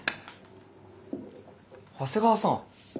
長谷川さん。